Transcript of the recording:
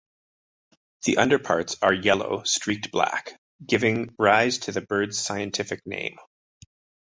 The underparts are yellow, streaked black, giving rise to the bird's scientific name.